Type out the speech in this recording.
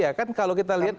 ya kan kalau kita lihat